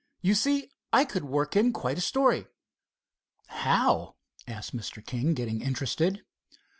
You see, I could work in quite a story." "How?" asked Mr. King, getting interested.